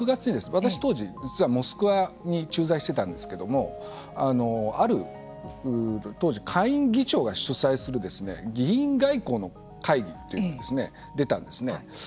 私、当時実はモスクワに駐在していたんですけれどもある、当時下院議長が主催する下院議員の会議に出たんですね。